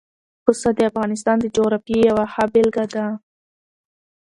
پسه د افغانستان د جغرافیې یوه ښه بېلګه ده.